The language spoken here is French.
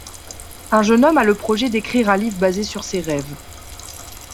Un jeune homme a le projet d'écrire un livre basé sur ses rêves.